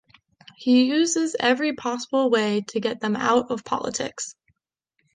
He uses every possible way to get them out of politics.